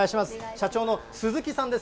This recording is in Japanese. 社長の鈴木さんです。